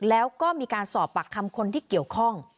แล้วก็มีการสอบปากคำคนที่เกี่ยวข้อง